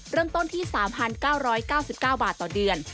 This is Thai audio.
เริ่มต้นที่๓๙๙๙บาทต่อเดือน